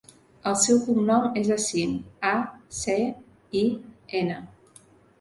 El seu cognom és Acin: a, ce, i, ena.